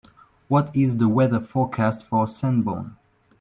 What is the weather forecast for Sanborn